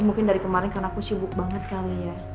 mungkin dari kemarin karena aku sibuk banget kali ya